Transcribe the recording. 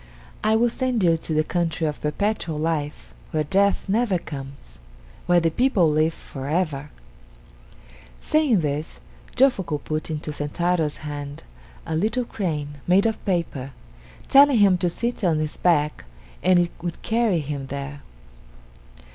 I will send you to the country of Perpetual Life, where death never comes where the people live for ever!" Saying this, Jofuku put into Sentaro's hand a little crane made of paper, telling him to sit on its back and it would carry him there.